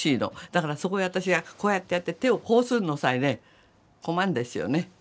だからそこへ私がこうやってやって手をこうするのさえね困るんですよね。